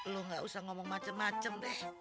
lo gak usah ngomong macem macem deh